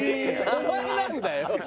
お前なんだよ。